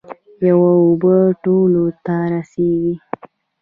یوه اوبه ټولو ته رسیږي.